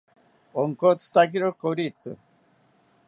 Onkotzitakiro koritzi